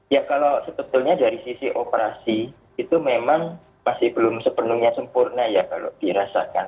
ya kalau sebetulnya dari sisi operasi itu memang masih belum sepenuhnya sempurna ya kalau dirasakan